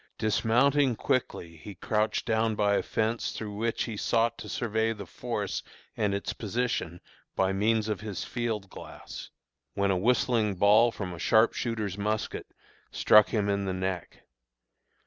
Dismounting quickly he crouched down by a fence through which he sought to survey the force and its position by means of his field glass, when a whistling ball from a sharpshooter's musket struck him in the neck.